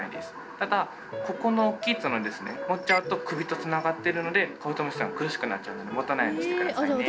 ただここのおっきいツノですね持っちゃうと首とつながってるのでカブトムシがくるしくなっちゃうので持たないようにしてくださいね。